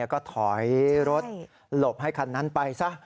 ก็ถอยรถหลบให้คันนั้นไปซะ